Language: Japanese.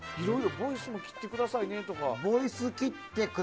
ボイス切ってくださいねって。